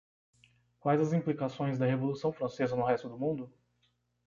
Quais as implicações da Revolução Francesa no resto do mundo?